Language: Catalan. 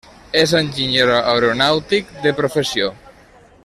És enginyer aeronàutic de professió.